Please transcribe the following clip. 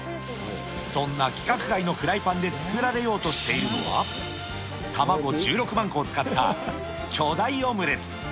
そんな規格外のフライパンで作られようとしているのは、卵１６万個を使った巨大オムレツ。